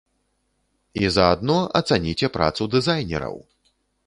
І заадно ацаніце працу дызайнераў!